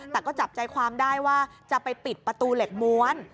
แต่ก็จับใจความได้ว่าจะไปปิดประตูเหล็กม้วน